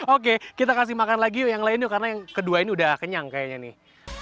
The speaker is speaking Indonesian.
oke kita kasih makan lagi yuk yang lain yuk karena yang kedua ini udah kenyang kayaknya nih